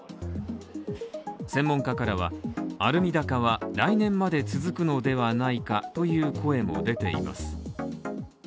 専門家からはアルミ高は来年まで続くのではないかという声も出ています。